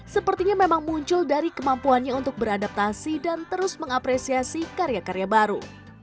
sepertinya memang muncul dari kemampuannya untuk beradaptasi dan terus mengapresiasi karya karya baru